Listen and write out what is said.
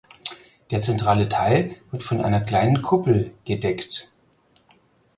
Der zentrale Teil wird von einer kleinen Kuppel gedeckt.